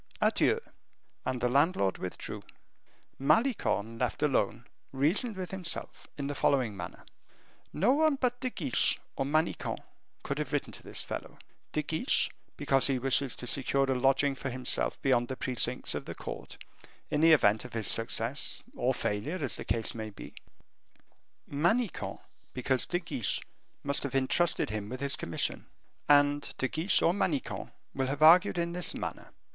Adieu!" And the landlord withdrew. Malicorne, left alone, reasoned with himself in the following manner: "No one but De Guiche or Manicamp could have written to this fellow; De Guiche, because he wishes to secure a lodging for himself beyond the precincts of the court, in the event of his success or failure, as the case might be; Manicamp, because De Guiche must have intrusted him with his commission. And De Guiche or Manicamp will have argued in this manner.